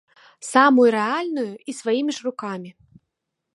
Самую рэальную і сваімі ж рукамі.